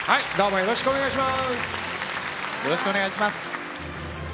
よろしくお願いします。